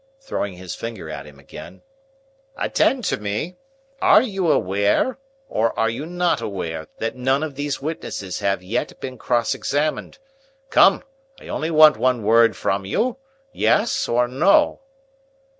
Throwing his finger at him again. "Attend to me. Are you aware, or are you not aware, that none of these witnesses have yet been cross examined? Come, I only want one word from you. Yes, or no?"